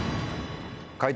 解答